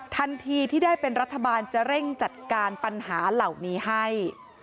ทันทีที่ได้เป็นรัฐบาลจะเร่งจัดการปัญหาเหล่านี้ให้